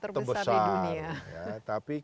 tapi kita import kalau nggak dari jawa